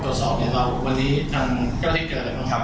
จะพยายามเจออะไรบ้าง